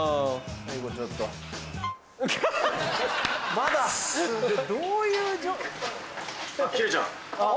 ・まだどういう・あっ